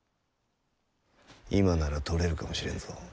今なら取れるかもしれんぞ。